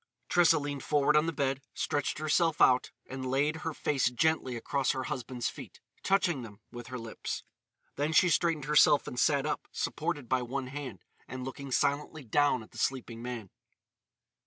Tressa leaned forward on the bed, stretched herself out, and laid her face gently across her husband's feet, touching them with her lips. Then she straightened herself and sat up, supported by one hand, and looking silently down at the sleeping man.